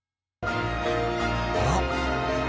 あら！